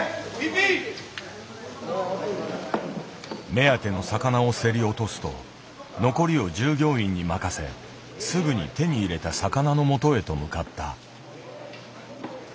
目当ての魚を競り落とすと残りを従業員に任せすぐに手に入れた魚のもとへと向かった。